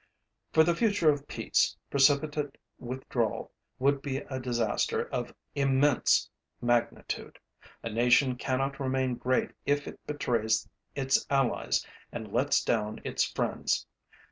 For the future of peace, precipitate withdrawal would be a disaster of immense magnitude. A nation cannot remain great if it betrays its allies and lets down its friends.